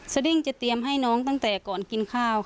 ดิ้งจะเตรียมให้น้องตั้งแต่ก่อนกินข้าว